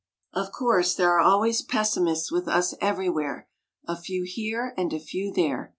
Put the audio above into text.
Of course, there are always pessimists with us everywhere, a few here and a few there.